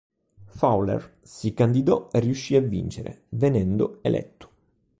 Fowler si candidò e riuscì a vincere, venendo eletto.